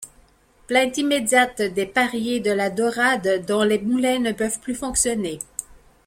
Plainte immédiate des pariers de la Daurade dont les moulins ne peuvent plus fonctionner.